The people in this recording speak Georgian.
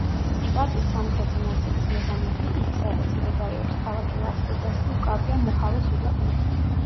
შტატის სამხრეთი ნაწილის მესამედი, იქ სადაც მდებარეობს ქალაქი ლას-ვეგასი უკავია მოჰავეს უდაბნოს.